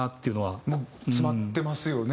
詰まってますよね。